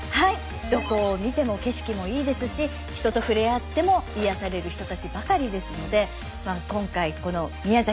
どこを見ても景色もいいですし人と触れ合っても癒やされる人たちばかりですので今回この宮崎